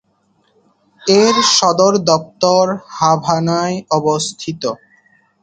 এর সদর দপ্তর হাভানায় অবস্থিত।